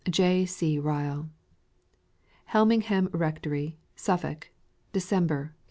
J. C. RYLK Helmingham Rectory, Suffolk, Decembek, 1860.